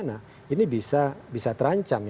nah ini bisa terancam